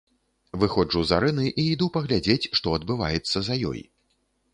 Выходжу з арэны і іду паглядзець, што адбываецца за ёй.